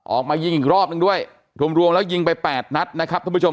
ออกมายิงอีกรอบนึงด้วยรวมรวมแล้วยิงไป๘นัดนะครับท่านผู้ชม